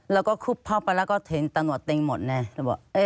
เราก็คุบพ่อไปแล้วก็เห็นตำรวจติ้งหมดเนี่ย